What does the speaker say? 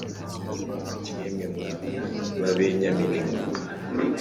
ati “Yemwe mwa Babenyamini mwe